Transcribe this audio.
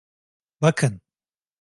Bakın...